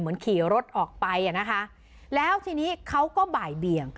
ขี่รถออกไปอ่ะนะคะแล้วทีนี้เขาก็บ่ายเบียง